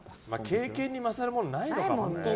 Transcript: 経験に勝るものはないのかもね。